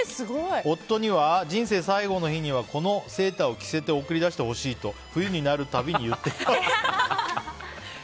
夫には、人生最期の日にはこのセーターを着せて送り出してほしいと冬になる度に言っています。